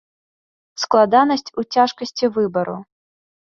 Складанасць у цяжкасці выбару.